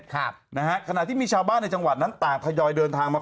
ครับนะฮะขณะที่มีชาวบ้านในจังหวัดนั้นต่างทยอยเดินทางมา